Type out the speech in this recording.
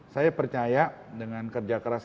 saya percaya dengan kerja keras